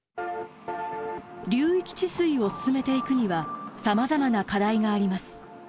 流域治水を進めていくにはさまざまな課題があります。